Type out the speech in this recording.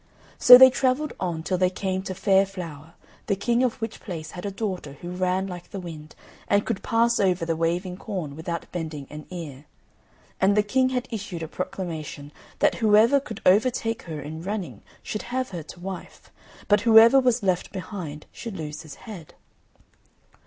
So they travelled on till they came to Fair Flower, the King of which place had a daughter who ran like the wind, and could pass over the waving corn without bending an ear; and the King had issued a proclamation that whoever could over take her in running should have her to wife, but whoever was left behind should lose his head.